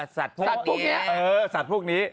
สัตว์พวกนี้